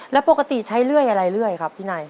แล้วปกติใช้เลื่อยอะไรเรื่อยครับพี่นาย